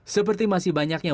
seperti masih banyaknya